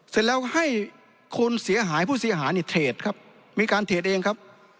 เสร็จแล้วให้คนเสียหายผู้เสียหายเนี่ยเทรดครับมีการเทรดเองครับ